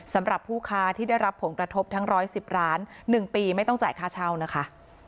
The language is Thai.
สำหรับผู้ค้าที่ได้รับผลกระทบทั้ง๑๑๐ล้าน๑ปีไม่ต้องจ่ายค่าเช่านะคะ